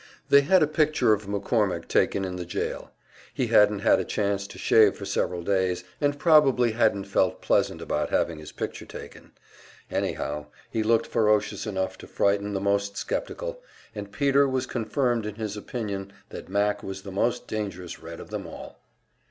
They had a picture of McCormick taken in the jail; he hadn't had a chance to shave for several days, and probably hadn't felt pleasant about having his picture taken anyhow, he looked ferocious enough to frighten the most skeptical, and Peter was confirmed in his opinion that Mac was the most dangerous Red of them all.